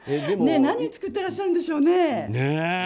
何作っていらっしゃるんでしょうかね。